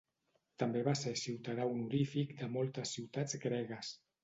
També va ser ciutadà honorífic de moltes ciutats gregues.